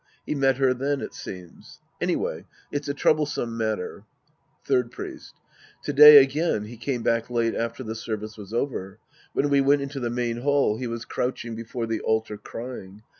He met her then, it seems. Anyway, it's a troublesome matter. Third Priest. To day again he came back late after the service was over. When we went into the main hall, he was crouching before the altar crying.